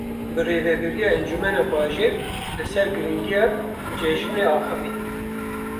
Birêveberiya Encumena Bajêr li ser girîngiya cejinê axivî.